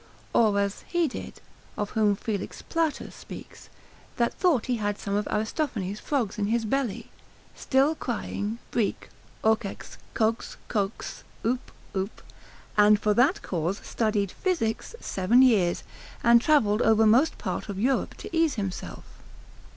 Or as he did, of whom Felix Plater speaks, that thought he had some of Aristophanes' frogs in his belly, still crying Breec, okex, coax, coax, oop, oop, and for that cause studied physic seven years, and travelled over most part of Europe to ease himself.